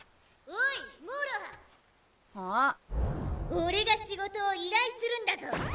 オレが仕事を依頼するんだゾ！